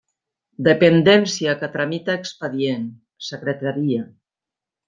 Dependència que tramita expedient: secretaria.